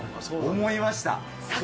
思いました。